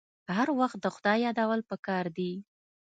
هر وخت د خدای یادول پکار دي.